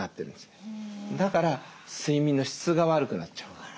だから睡眠の質が悪くなっちゃう。